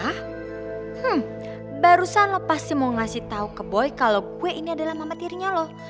hmm barusan lo pasti mau ngasih tau ke boy kalo boy ini adalah mama tirinya lo